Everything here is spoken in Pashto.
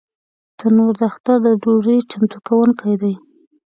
تنور د اختر د ډوډۍ چمتو کوونکی دی